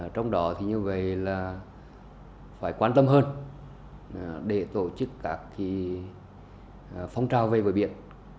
trong đó thì như vậy là phải quan tâm hơn để tổ chức các phong trào về với biển